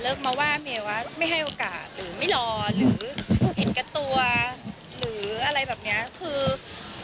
มาว่าเมย์ว่าไม่ให้โอกาสหรือไม่รอหรือเห็นแก่ตัวหรืออะไรแบบเนี้ยคือ